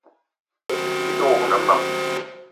Byi te wok ne meng :